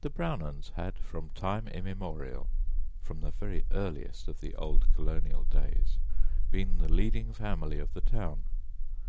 The Brownons had from time immemorial from the very earliest of the old colonial days been the leading family of the town.